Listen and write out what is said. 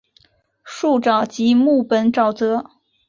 树沼即木本沼泽。